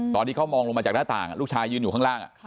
ตอนที่เขามองลงมาจากหน้าต่างลูกชายยืนอยู่ข้างล่าง